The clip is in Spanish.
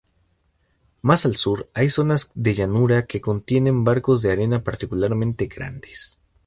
Más al sur hay zonas de llanura que contienen bancos de arena particularmente grandes.